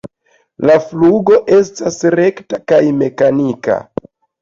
La flugo estas rekta kaj mekanika.